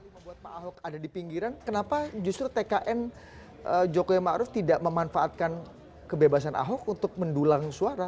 membuat pak ahok ada di pinggiran kenapa justru tkn jokowi ⁇ maruf ⁇ tidak memanfaatkan kebebasan ahok untuk mendulang suara